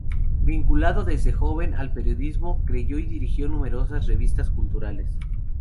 Vinculado desde joven al periodismo, creó y dirigió numerosas revistas culturales.